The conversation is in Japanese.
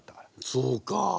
そうか。